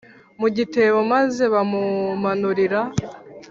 mu gitebo maze bamumanurira